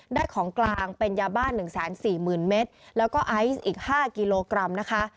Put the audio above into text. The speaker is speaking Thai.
ได้ของกลางเป็นยาบ้านหนึ่งแสนสี่หมื่นเมตรแล้วก็ไอซ์อีกห้ากิโลกรัมนะคะ